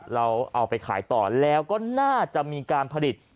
เราเอาไปขายต่อแล้วก็น่าจะมีการผลิต